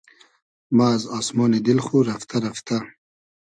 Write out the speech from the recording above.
ما از آسمۉنی دیل خو رئفتۂ رئفتۂ